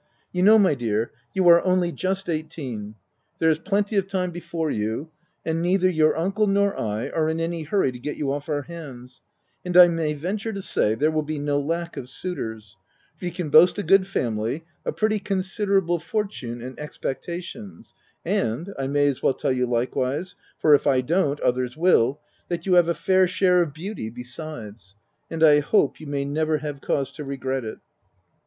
— You know, my dear, you are only just eighteen ; there is plenty of time before you, and neither your uncle nor I are in any hurry to get you off our hands ; and, I may venture to say, there will be no lack of OF WILDFELL HALL, 273 suitors ; for you can boast a good family, a pretty considerable fortune and expectations, and, I may as well tell you likewise — for if I don't others will — that you have a fair share of beauty, besides — and I hope you may never have cause to regret it